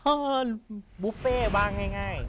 อ้าวบุฟเฟ่ว่างให้ง่าย